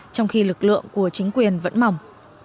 trong khi lực lượng của chính quyền vẫn mỏng